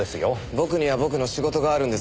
僕には僕の仕事があるんです。